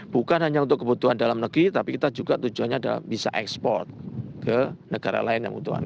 bukan hanya untuk kebutuhan dalam negeri tapi kita juga tujuannya adalah bisa ekspor ke negara lain yang butuhan